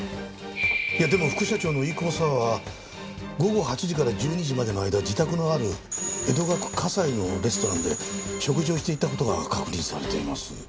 いやでも副社長の飯窪佐和は午後８時から１２時までの間自宅のある江戸川区西のレストランで食事をしていた事が確認されています。